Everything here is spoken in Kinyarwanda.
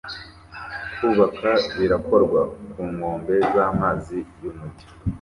Kubaka birakorwa ku nkombe zamazi yumujyi